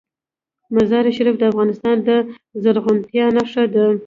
مزارشریف د افغانستان د زرغونتیا نښه ده.